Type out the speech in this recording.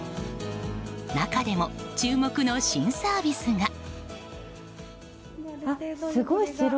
中でも注目の新サービスが。